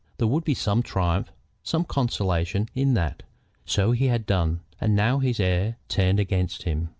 There would be some triumph, some consolation, in that. So he had done, and now his heir turned against him!